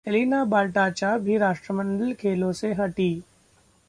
Elina Baltacha भी राष्ट्रमंडल खेलों से हटीं